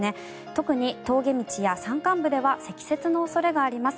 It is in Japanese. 特に峠道や山間部では積雪の恐れがあります。